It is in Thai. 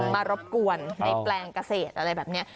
รบกวนในแปลงเกษตรอะไรแบบนี้